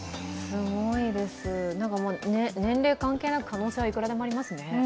すごいです、年齢関係なく、可能性はいくらでもありますね。